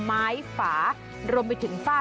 ไม้ฝารวมไปถึงฝ้า